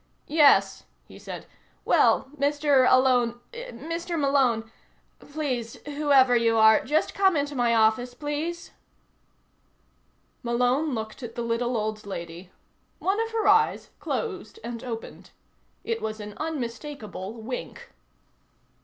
"Yes," he said. "Well. Mr. Alone Mr. Malone please, whoever you are, just come into my office, please?" Malone looked at the little old lady. One of her eyes closed and opened. It was an unmistakable wink.